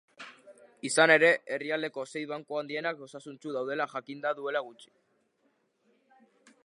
Izan ere, herrialdeko sei banku handienak osasuntsu daudela jakin da duela gutxi.